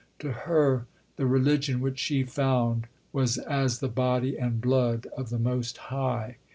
To her the religion which she found was as the body and blood of the Most High.